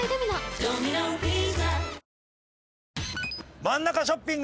真ん中ショッピング